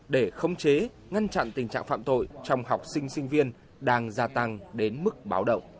để khống chế ngăn chặn tình trạng phạm tội trong học sinh sinh viên đang gia tăng đến mức báo động